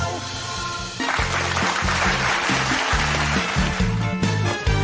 มี